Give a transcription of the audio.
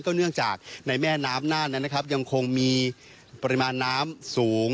ก็เนื่องจากในแม่น้ำนั้นยังคงมีปริมาณน้ำสูง